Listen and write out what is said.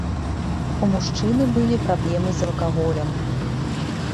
У мужчыны былі праблемы з алкаголем.